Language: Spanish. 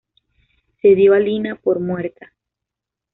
Se dio a Lena por muerta.